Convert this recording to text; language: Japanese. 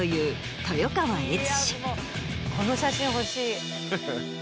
この写真欲しい。